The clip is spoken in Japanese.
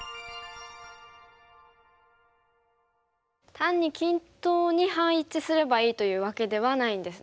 単に均等に配置すればいいというわけではないんですね。